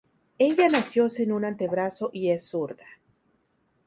Ella nació sin un antebrazo y es zurda.